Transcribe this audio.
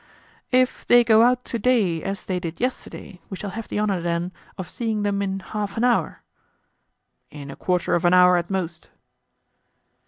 "If they go out to day as they did yesterday we shall have the honor, then, of seeing them in half an hour?" "In a quarter of an hour at most."